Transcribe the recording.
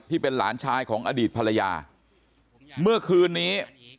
ที่เป็นหลานชายของอดีตภรรยาเมื่อคืนนี้